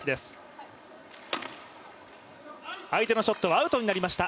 相手のショットはアウトになりました。